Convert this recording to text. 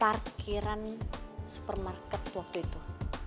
parkiran supermarket waktu itu